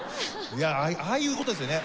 ああいう事ですよね